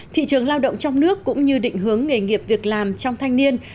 thị trường lao động trong nước cũng như định hướng nghề nghiệp việc làm trong thanh niên